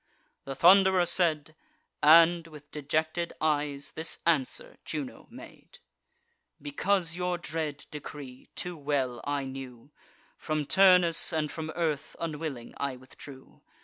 The Thund'rer said; And, with dejected eyes, this answer Juno made: "Because your dread decree too well I knew, From Turnus and from earth unwilling I withdrew.